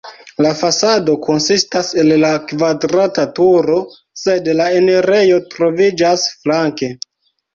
La fasado konsistas el la kvadrata turo, sed la enirejo troviĝas flanke.